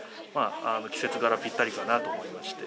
季節がら、ぴったりかなと思いまして。